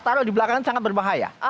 taruh di belakang sangat berbahaya